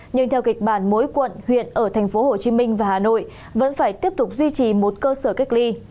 nhưng theo kịch bản mỗi quận huyện ở thành phố hồ chí minh và hà nội vẫn phải tiếp tục duy trì một cơ sở cách ly